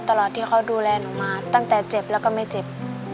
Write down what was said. ตลอดที่เขาดูแลหนูมาตั้งแต่เจ็บแล้วก็ไม่เจ็บ